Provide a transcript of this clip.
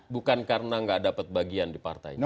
bukan karena nggak dapat bagian di partainya